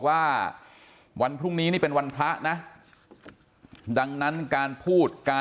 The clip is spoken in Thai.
ว่าวันพรุ่งนี้เป็นวันพระนะดังนั้นการพูดการอธิษฐาน